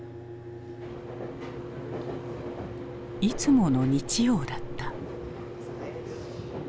いつもの日曜だった。